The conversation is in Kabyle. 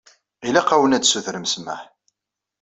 Ilaq-awen ad tsutrem ssmaḥ.